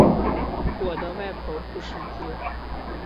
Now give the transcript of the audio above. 我的外婆不识字